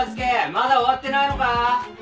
まだ終わってないのか？